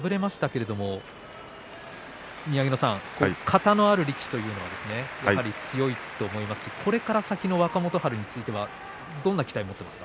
今日、敗れましたけれども型のある力士というのはやはり強いと思いますしこれから先の若元春についてはどんな期待を持っていますか？